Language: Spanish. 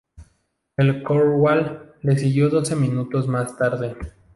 El "Cornwall" le siguió doce minutos más tarde.